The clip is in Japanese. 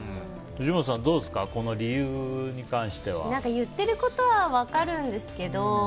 藤本さん、どうですかこの理由に関しては。言ってることは分かりますけど。